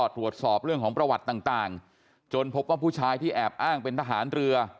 ตรวจสอบเรื่องของประวัติต่างจนพบว่าผู้ชายที่แอบอ้างเป็นทหารเรือ